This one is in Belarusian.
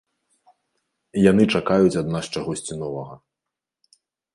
Яны чакаюць ад нас чагосьці новага.